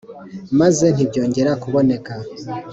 Maze ntibyongera kuboneka